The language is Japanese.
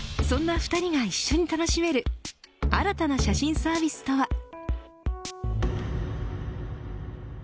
そんな２人が一緒に楽しめる新たな写真サービスとは。